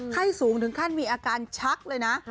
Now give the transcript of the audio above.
ไข้สูงถึงขั้นมีอาการชักเลยนะ